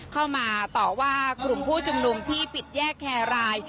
เข้ามาต่อว่ากลุ่มผู้ชุมนุมที่ปิดแยกแครราย